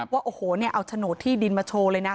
ว่าโอ้โหเอาโฉนดที่ดินมาโชว์เลยนะ